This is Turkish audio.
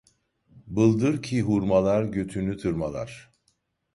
Bıldır ki hurmalar götünü tırmalar.